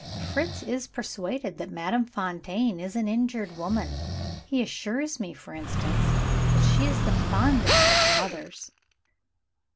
Fritz is persuaded that Madame Fontaine is an injured woman. He assures me, for instance, that she is the fondest of mothers."